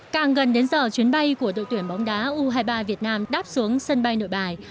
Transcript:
càng gần đến giờ chuyến bay của đội tuyển bóng đá u hai mươi ba việt nam đáp xuống sân bay nội bài